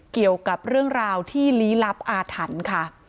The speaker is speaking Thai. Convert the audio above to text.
เกี่ยวกับเรื่องราวที่ลี้ลับอาถรรพ์ค่ะ